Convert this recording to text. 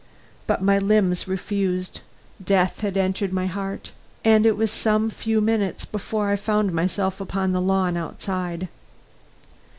But my limbs refused; death had entered my heart, and it was some few minutes before I found myself upon the lawn outside.